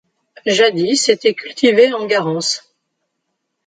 Jadis était cultivée en garance.